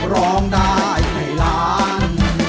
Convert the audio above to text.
ร้องได้ให้ล้าน